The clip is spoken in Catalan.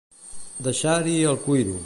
Deixar-hi el cuiro.